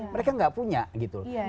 mereka gak punya gitu loh